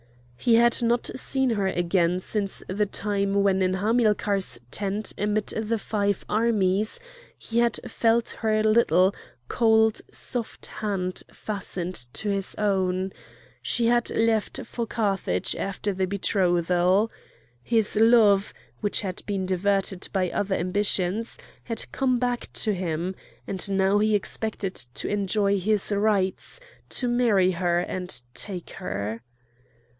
He had not seen her again since the time when in Hamilcar's tent amid the five armies he had felt her little, cold, soft hand fastened to his own; she had left for Carthage after the betrothal. His love, which had been diverted by other ambitions, had come back to him; and now he expected to enjoy his rights, to marry her, and take her.